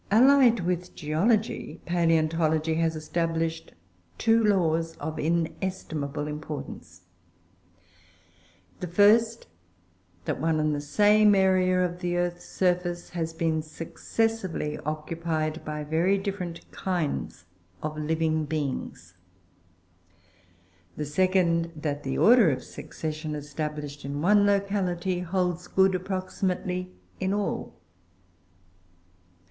Allied with geology, palaeontology has established two laws of inestimable importance: the first, that one and the same area of the earth's surface has been successively occupied by very different kinds of living beings; the second, that the order of succession established in one locality holds good, approximately, in all.